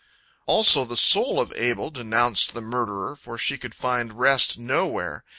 Also the soul of Abel denounced the murderer, for she could find rest nowhere.